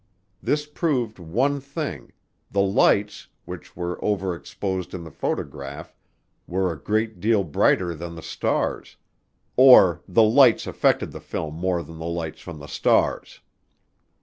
This proved one thing, the lights, which were overexposed in the photograph, were a great deal brighter than the stars, or the lights affected the film more than the light from the stars.